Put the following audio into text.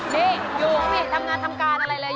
นี่อยู่นี่ทำงานทำการอะไรเลย